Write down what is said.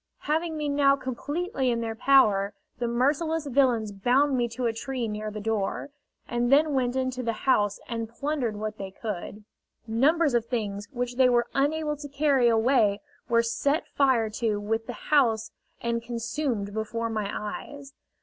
Having me now completely in their power, the merciless villains bound me to a tree near the door, and then went into the house and plundered what they could. Numbers of things which they were unable to carry away were set fire to with the house and consumed before my eyes.